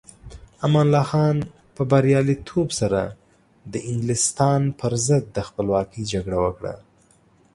امان الله خان په بریالیتوب سره د انګلستان پر ضد د خپلواکۍ جګړه وکړه.